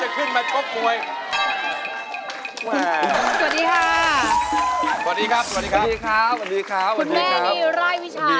คุณแม่ที่ไล่พิชาเลยก่อนขึ้นมา